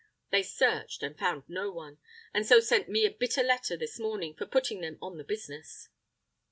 They searched, and found no one, and so sent me a bitter letter this morning for putting them on the business."